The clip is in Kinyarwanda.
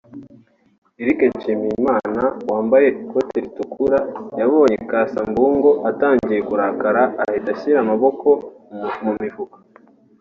Eric Nshimiyimana (Wambaye ikoti ritukura) yabonye Cassa Mbungo atangiye kurakara ahita ashyira amaboko mu mifuka